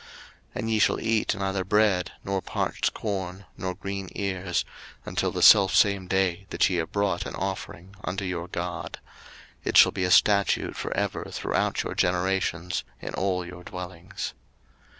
03:023:014 And ye shall eat neither bread, nor parched corn, nor green ears, until the selfsame day that ye have brought an offering unto your God: it shall be a statute for ever throughout your generations in all your dwellings.